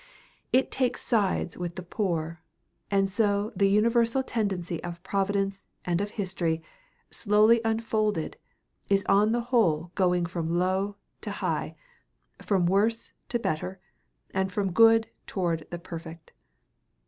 It takes sides with the poor; and so the universal tendency of Providence and of history, slowly unfolded, is on the whole going from low to high, from worse to better, and from good toward the perfect.